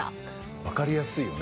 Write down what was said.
分かりやすいよね。